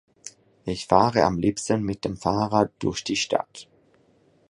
Ich fahre am Liebsten mit dem Fahrrad durch die Stadt.